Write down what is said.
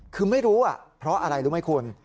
คือไม่รู้เพราะอะไรรู้ไหมคุณ